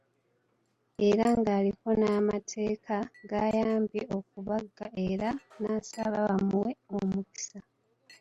Era ng'aliko n’amateeka g'ayambye okubaga era n'asaba bamuwe omukisa.